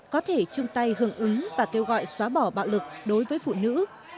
có thể chung tay hưởng ứng và kêu gọi xóa bỏ bạo lực đối với phụ nữ